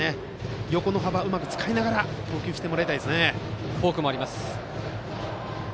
横の幅をうまく使いながら要求してもらいたいですね。